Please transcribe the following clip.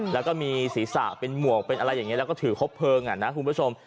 แล้วก็มีศีรษะเป็นหมวกเป็นอะไรอย่างนี้แล้วก็ถือครบเพลิงอ่ะนะคุณผู้ชม